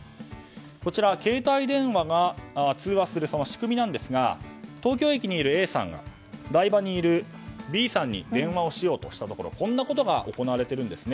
こちら、携帯電話が通話する仕組みなんですが東京駅にいるＡさんが台場にいるＢさんに電話をしようとしたところこんなことが行われているんです。